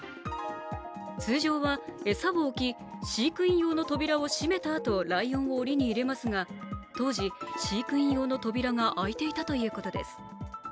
通常は、餌を置き、飼育員用の扉を閉めたあとライオンをおりに入れますが当時、飼育員用の扉が開いていたということです。